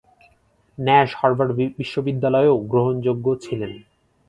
Nash Harvard বিশ্ববিদ্যালয়েও গ্রহণযোগ্য ছিলেন।